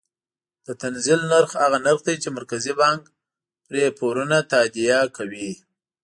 د تنزیل نرخ هغه نرخ دی چې مرکزي بانک پرې پورونه تادیه کوي.